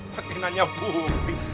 pak tina nya bukti